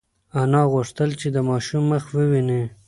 انا غوښتل چې د ماشوم مخ وویني.